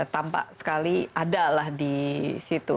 tampak sekali adalah di situ